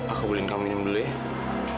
aku beliin kamu minum dulu ya